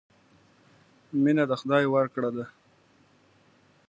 مینه د خدای ورکړه ده.